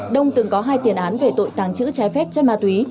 đông từng có hai tiền án về tội tàng trữ trái phép chất ma túy